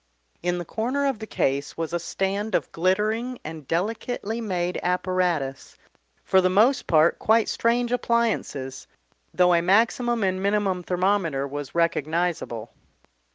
In the corner of the case was a stand of glittering and delicately made apparatus, for the most part quite strange appliances, though a maximum and minimum thermometer was recognisable.